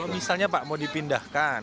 kalau misalnya pak mau dipindahkan